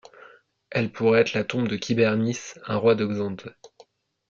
Elle pourrait être la tombe de Kybernis, un roi de Xanthe.